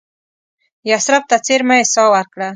یثرب ته څېرمه یې ساه ورکړه.